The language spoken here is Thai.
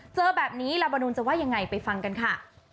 เจอแบบนี้ลาบานูนจะว่ายังไงไปฟังกันค่ะ